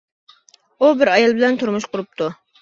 ئۇ بىر ئايال بىلەن تۇرمۇش قۇرۇپتۇ.